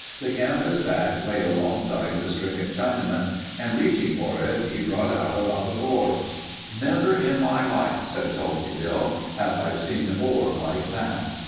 The canvas sack lay alongside the stricken Chinaman and reaching for it, he brought out a lump of ore. "Never in my life," said Salty Bill, "have I seen ore like that."